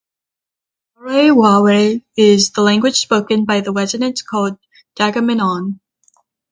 Waray-Waray is the language spoken by the residents called "Dagamin-on".